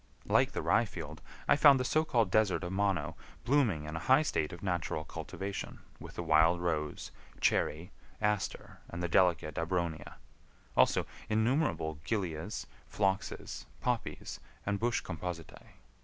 Like the rye field, I found the so called desert of Mono blooming in a high state of natural cultivation with the wild rose, cherry, aster, and the delicate abronia; also innumerable gilias, phloxes, poppies, and bush compositae.